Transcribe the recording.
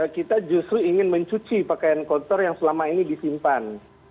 kita justru ingin mencuci pakaian kotor yang selama ini disimpan